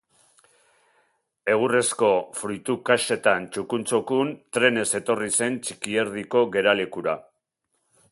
Egurrezko fruitu kaxetan txukun-txukun trenez etorri zen Txikierdiko geralekura.